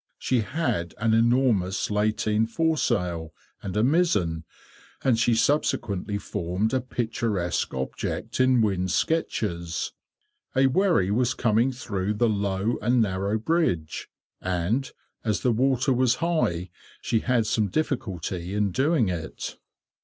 She had an enormous lateen foresail, and a mizen, and she subsequently formed a picturesque object in Wynne's sketches. A wherry was coming through the low and narrow bridge, and, as the water was high, she had some difficulty in doing it.